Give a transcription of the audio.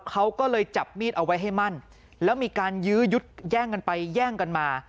เขาก็เลยจับมีดเอาไว้ให้มั่นแล้วมีการยื้อยุดแย่งกันไปแย่งกันมา